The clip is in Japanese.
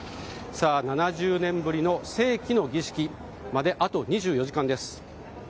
７０年ぶりの世紀の儀式まであと２４時間です。